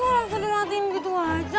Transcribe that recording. langsung dimatiin gitu aja